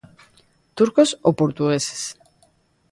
'Turcos' ou 'portugueses'.